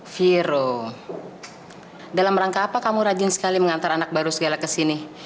viro dalam rangka apa kamu rajin sekali mengantar anak baru segala ke sini